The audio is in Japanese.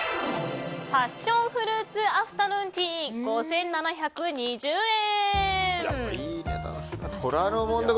パッションフルーツアフタヌーンティー５７２０円。